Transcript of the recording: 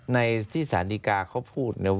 ในที่ศาลดิกาเขาพูด